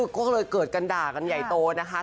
ก็เลยเกิดกันด่ากันใหญ่โตนะคะ